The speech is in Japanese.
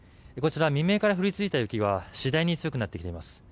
こちら未明から降り続いている雪は次第に強くなってきています。